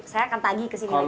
saya akan tagi kesini lagi pak